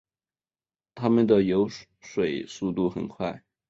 它们的游水速度很快。